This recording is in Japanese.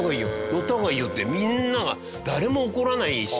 「乗った方がいいよ」ってみんなが誰も怒らないし。